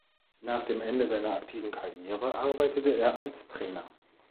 Nach dem Ende seiner aktiven Karriere arbeitete er als Trainer.